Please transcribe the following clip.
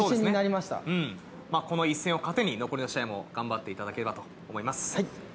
この一戦を糧に残りの試合も頑張っていただければと思います。